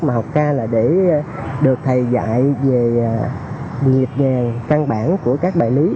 mà học ca là để được thầy dạy về nghiệp ngàn căn bản của các bài lý